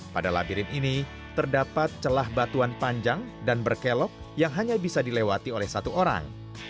pada labirin ini terdapat celah batuan panjang dan berkelok yang hanya bisa dilewati oleh satu orang